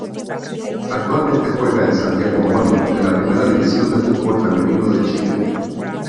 Actualmente juega en Santiago Morning de la Primera División de fútbol femenino de Chile.